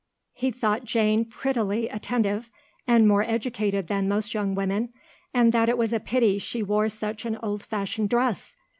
He thought Jane prettily attentive, and more educated than most young women, and that it was a pity she wore such an old fashioned dress.